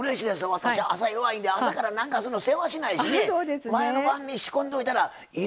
私朝弱いんで朝からなんかするのせわしないしね前の晩に仕込んどいたらいいですよね。